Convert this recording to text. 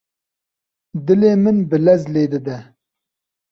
Dilê min bi lez lê dide.